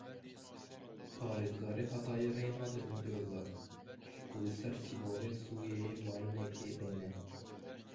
Parêzgarê Hatayê rê neda Umît Ozdag ku li ser sînorê Sûriyeyê mayînekê deyne.